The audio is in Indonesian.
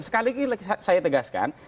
sekali lagi saya tegaskan